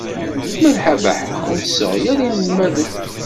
Malḥa Baḥa ur tesseɣyel inelmaden.